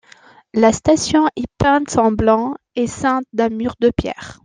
La station est peinte en blanc est ceinte d'un mur de pierre.